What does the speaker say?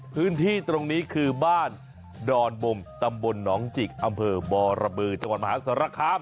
พื้นที่ตรงนี้คือบ้านดอนบมตำบลหนองจิกอำเภอบรบือจังหวัดมหาสารคาม